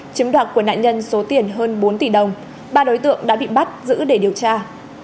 chiếm đoạt của nạn nhân số tiền hơn bốn tỷ đồng ba đối tượng đã bị bắt giữ để điều tra